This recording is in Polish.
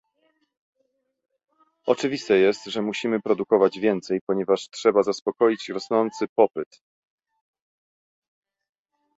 Oczywiste jest, że musimy produkować więcej, ponieważ trzeba zaspokoić rosnący popyt